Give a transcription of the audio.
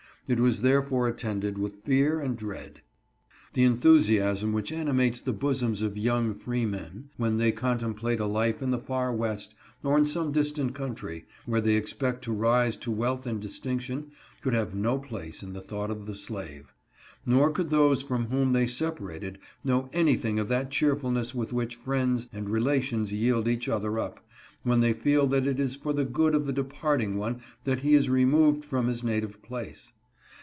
It was therefore attended with fear and dread. The enthusiasm which animates the bosoms of young freemen, when they contemplate a life in the far West, or in some distant country, where they expect to rise to wealth and distinction, could have no place in the thought of the slave ; nor could those from whom they separated know anything of that cheerfulness with which friends and relations yield each other up, when they feel that it is for the good of the departing one that he is removed from his native place.